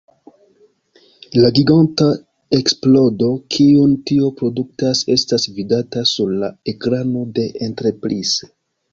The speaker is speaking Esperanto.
La giganta eksplodo, kiun tio produktas, estas vidata sur la ekrano de Enterprise.